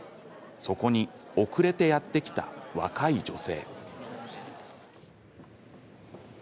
そこに遅れてやって来た若い女性。